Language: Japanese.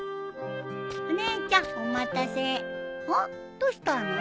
どうしたの？